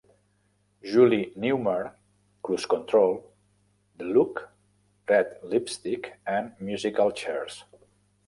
Julie Newmar; "Cruise Control"; "The Look"; "Red Lipstick", and "Musical Chairs".